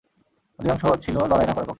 অধিকাংশ ছিল লড়াই না করার পক্ষে।